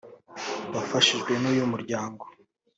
wafashijwe n’uyu muryango